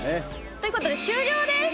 ということで終了です！